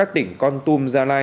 đến một năm km